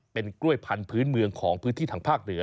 เป็นกล้วยพันธุ์เมืองของพื้นที่ทางภาคเหนือ